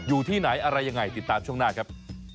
อยู่ที่ไหนอะไรยังไงติดตามช่วงหน้าครับ